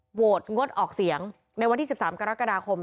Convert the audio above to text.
โหวตงดออกเสียงในวันที่๑๓กรกฎาคม